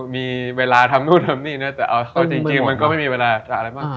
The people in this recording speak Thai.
มีเวลาทำนู่นทำนี่นะแต่เอาจริงมันก็ไม่มีเวลาจะอะไรมาก